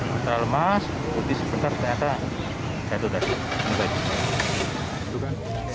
setelah lemas sebetulnya jatuh dari atas